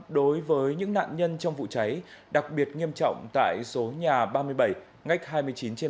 đối với những nạn nhân trong vụ cháy đặc biệt nghiêm trọng tại số nhà ba mươi bảy ngách hai mươi chín trên bảy